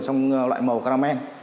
trong loại màu caramel